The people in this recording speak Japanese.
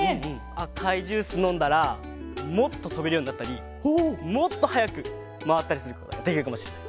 あかいジュースのんだらもっととべるようになったりもっとはやくまわったりすることができるかもしれない。